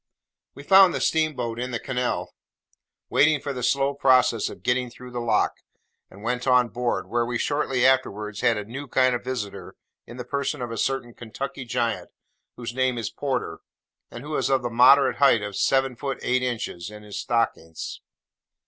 We found the steamboat in the canal, waiting for the slow process of getting through the lock, and went on board, where we shortly afterwards had a new kind of visitor in the person of a certain Kentucky Giant whose name is Porter, and who is of the moderate height of seven feet eight inches, in his stockings.